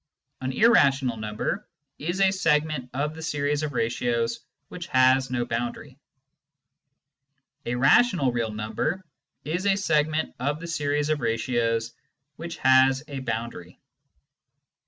An " irrational number " is a segment of the series of ratios which has no boundary. A " rational real number " is a segment of the series of ratios which has a boundary.